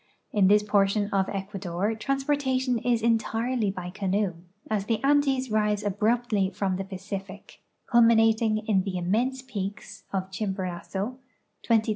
In this portion of Ecuador transportation is entirely by canoe, as the Andes rise abruptly from the Pacific, culminating in the im mense peaks of Chimborazo (20,498 feet) and Cotopaxi (19,480 feet).